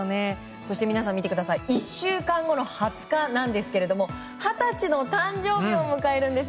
そして皆さん１週間後の２０日なんですが二十歳の誕生日を迎えるんです。